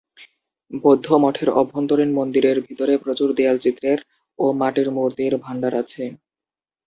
বৌদ্ধ মঠের অভ্যন্তরীন মন্দিরের ভিতরে প্রচুর দেয়াল চিত্রের ও মাটির মূর্তির ভাণ্ডার আছে।